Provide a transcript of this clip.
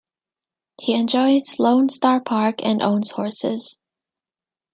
He enjoys Lone Star Park and owns horses.